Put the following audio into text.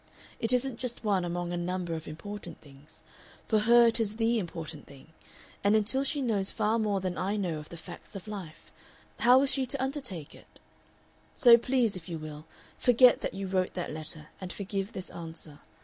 It isn't just one among a number of important things; for her it is the important thing, and until she knows far more than I know of the facts of life, how is she to undertake it? So please; if you will, forget that you wrote that letter, and forgive this answer.